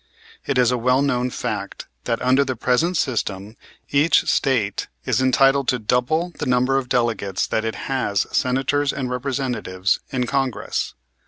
It is a well known fact that under the present system each State is entitled to double the number of delegates that it has Senators and Representatives in Congress.